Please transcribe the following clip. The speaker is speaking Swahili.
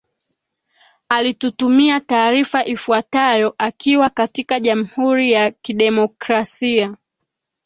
alitutumia taarifa ifwatayo akiwa katika jamhuri ya kidemokrasia